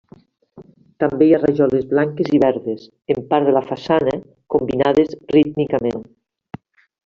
També hi ha rajoles blanques i verdes, en part de la façana, combinades rítmicament.